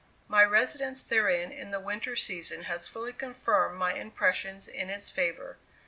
My residence therein in the winter season has fully confirmed my impressions in its favor.